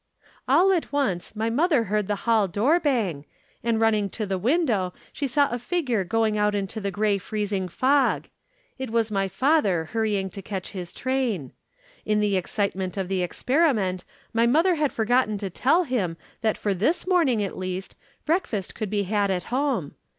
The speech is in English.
"All at once my mother heard the hall door bang, and running to the window she saw a figure going out into the gray freezing fog. It was my father hurrying to catch his train. In the excitement of the experiment my mother had forgotten to tell him that for this morning at least, breakfast could be had at home.